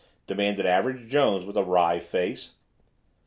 demanded Average Jones with a wry face.